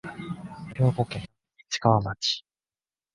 兵庫県市川町